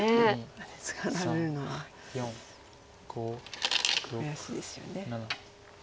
ハネツガられるのは悔しいですよね。